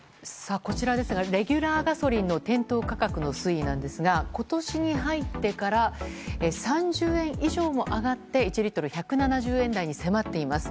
こちらはレギュラーガソリンの店頭価格の推移ですが今年に入ってから３０円以上も上がって１リットル１７０円台に迫っています。